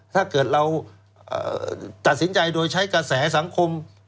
ถ้าเกิดเราตัดสินใจโดยใช้กระแสสังคม